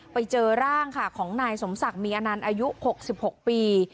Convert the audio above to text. ไปเจอร่างค่ะของนายสมศักดิ์มีอนันต์อายุ๖๖ปี